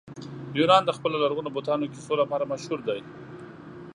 یونان د خپلو لرغونو بتانو کیسو لپاره مشهوره دی.